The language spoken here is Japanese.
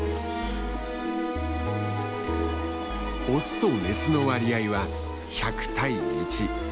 オスとメスの割合は１００対１。